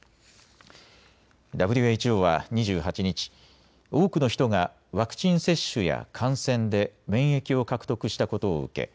ＷＨＯは２８日、多くの人がワクチン接種や感染で免疫を獲得したことを受け